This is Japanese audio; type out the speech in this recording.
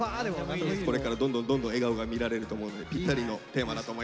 これからどんどんどんどん笑顔が見られると思うんでぴったりのテーマだと思います。